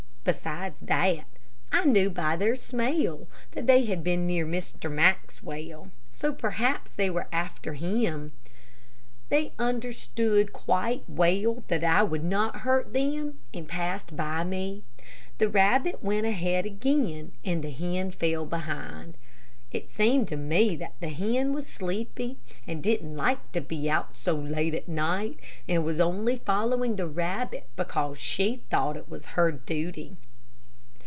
Besides that, I knew by their smell that they had been near Mr. Maxwell, so perhaps they were after him. They understood quite well that I would not hurt them, and passed by me. The rabbit went ahead again and the hen fell behind. It seemed to me that the hen was sleepy, and didn't like to be out so late at night, and was only following the rabbit because she thought it was her duty.